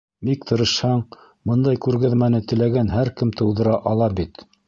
Бик тырышһаң, бындай күргәҙмәне теләгән һәр кем тыуҙыра ала бит.